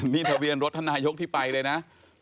มีทะเวียนรถทนายกที่ไปเลยนะ